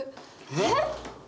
えっ？